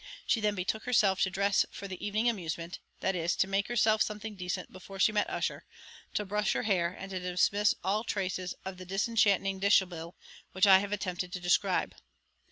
She then betook herself to dress for the evening amusement; that is, to make herself something decent before she met Ussher; to brush her hair, and to dismiss all the traces of that disenchanting dishabille which I have attempted to describe.